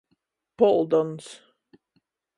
Poldons.